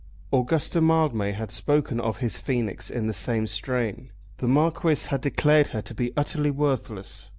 Augusta Mildmay had spoken of his Phoenix in the same strain. The Marquis had declared her to be utterly worthless.